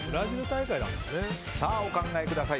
さあ、お考えください。